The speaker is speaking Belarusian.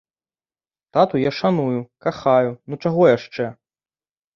Тату я шаную, кахаю, ну чаго яшчэ?